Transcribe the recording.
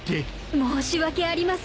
申し訳ありません。